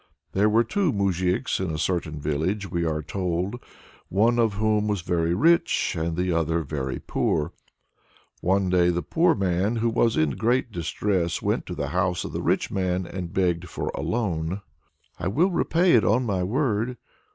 There were two moujiks in a certain village, we are told, one of whom was very rich and the other very poor. One day the poor man, who was in great distress, went to the house of the rich man and begged for a loan. "I will repay it, on my word.